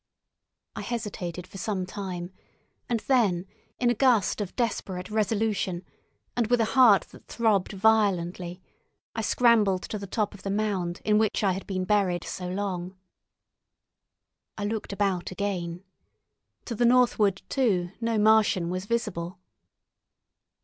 I hesitated for some time, and then, in a gust of desperate resolution, and with a heart that throbbed violently, I scrambled to the top of the mound in which I had been buried so long. I looked about again. To the northward, too, no Martian was visible.